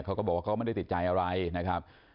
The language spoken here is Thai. เขาก็บอกว่าเขาไม่ได้ติดใจอะไรนะครับ